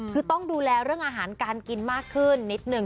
คือต้องดูแลเรื่องอาหารการกินมากขึ้นนิดนึง